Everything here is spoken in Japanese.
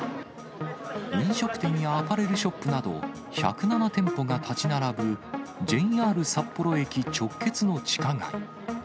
飲食店やアパレルショップなど、１０７店舗が建ち並ぶＪＲ札幌駅直結の地下街。